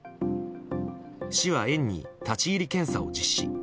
市は園に立ち入り検査を実施。